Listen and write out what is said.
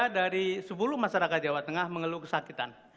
tiga dari sepuluh masyarakat jawa tengah mengeluh kesakitan